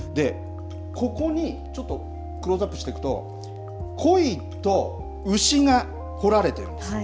ここにクローズアップしていくとこいと牛が彫られているんです。